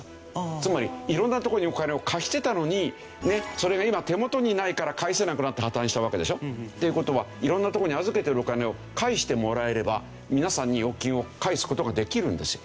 つまり色んなところにお金を貸してたのにそれが今手元にないから返せなくなって破たんしたわけでしょ？という事は色んなところに預けているお金を返してもらえれば皆さんに預金を返す事ができるんですよ。